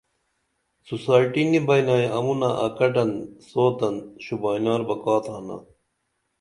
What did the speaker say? سوسائٹی نی بئنا امُنہ اکٹن سوتن شوبائنار بہ کا تھانا